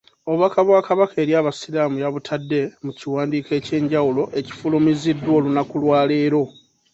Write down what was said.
Obubaka bwa Kabaka eri Abasiraamu yabutadde mu kiwandiiko eky'enjawulo ekifulumiziddwa olunaku lwaleero